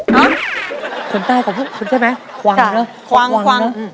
ฮะคนใต้กว่าพวกคุณใช่ไหมควังเหรอควัง